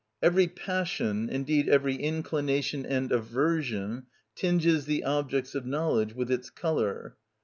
Every passion, indeed every inclination and aversion, tinges the objects of knowledge with its colour.